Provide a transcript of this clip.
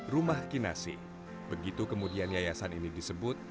rumah kinasi begitu kemudian yayasan ini disebut